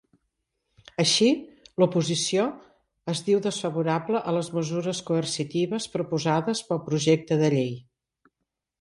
Així, l’oposició es diu desfavorable a les mesures coercitives proposades pel projecte de llei.